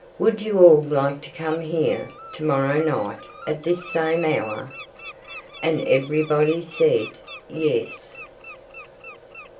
"Would you all like to come here to morrow night at this same hour?" And everybody said, "Yes!"